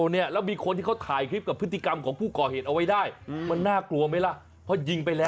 แล้วมีคนที่เขาถ่ายคลิปกับพฤติกรรมของผู้ก่อเหตุเอาไว้ได้